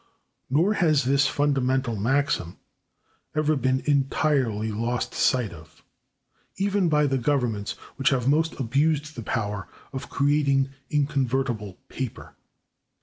Nor has this fundamental maxim ever been entirely lost sight of, even by the governments which have most abused the power of creating inconvertible paper.